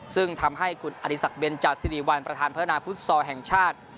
ซึ่งทำให้คุณอดีศักดิเบนจาสิริวัลประธานพัฒนาฟุตซอลแห่งชาติ